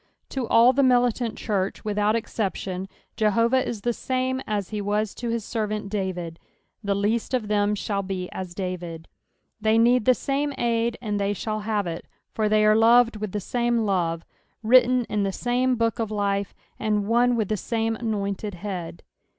To all the militant church, without exception, Jehovah is the same aa he was to his servant David, " the least of tbem shall bo as David." They need the same ud and they shall have it, for they are loved with the same love, written in the same book of life, and one with the same anointed Head.